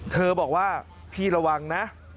เธอบอกว่าพี่ระวังนะ